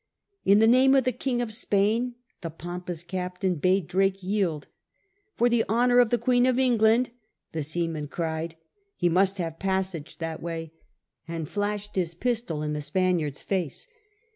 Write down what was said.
In the name of the King of Spain the pompous captain bade Drake yield. For the honour of the Queen of England, the seaman cried, he must have passage that way, and flashed his pistol in the Spaniard's face.